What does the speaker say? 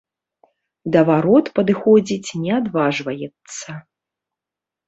Да варот падыходзіць не адважваецца.